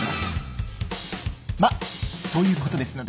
まっそういうことですので。